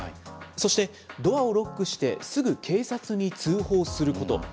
そして、ドアをロックしてすぐ警察に通報すること。